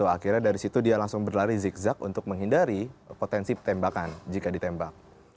akhirnya dari situ dia langsung berlari zigzag untuk menghindari potensi tembakan jika ditembak